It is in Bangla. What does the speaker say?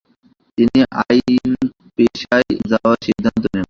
তিনি আইনপেশায় যাওয়ার সিদ্ধান্ত নেন।